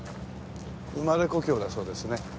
生まれ故郷だそうですね。